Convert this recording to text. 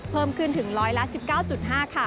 เพิ่มขึ้นถึง๑๑๙๕บาท